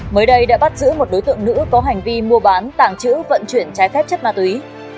mới đây đã bắt giữ một đối tượng nữ có hành vi mua bán tàng trữ vận chuyển trái phép chất ma túy